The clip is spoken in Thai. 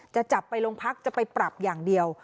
จะจับไปโรงพักจะไปปรับอย่างเดียว